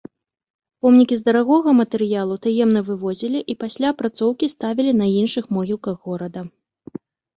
Помнікі з дарагога матэрыялу таемна вывозілі і пасля апрацоўкі ставілі на іншых могілках горада.